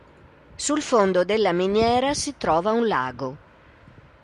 Sul fondo della miniera si trova un lago.